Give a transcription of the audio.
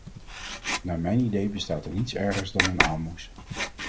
Naar mijn idee bestaat er niets ergers dan een aalmoes.